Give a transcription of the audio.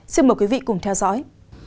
xin mời quý vị cùng theo dõi